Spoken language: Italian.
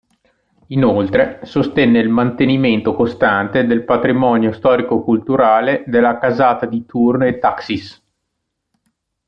Inoltre, sostenne il mantenimento costante del patrimonio storico-culturale della Casata di Thurn und Taxis.